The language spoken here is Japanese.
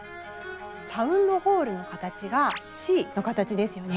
サウンドホールの形がＣの形ですよね。